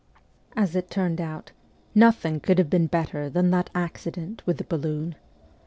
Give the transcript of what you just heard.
As it turned out, nothing could have been better than that accident with the balloon.